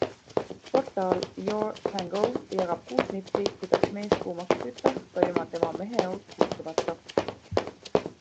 Portaal Your Tango jagab kuus nippi, kuidas mees kuumaks kütta ka ilma tema meheaud puutumata.